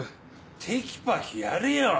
テキパキやれよ